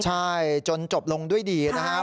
ใช่จนจบลงด้วยดีนะครับ